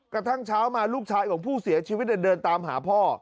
กระทั่งเช้ามาลูกชายของผู้เสียชีวิตเดินตามหาพ่อ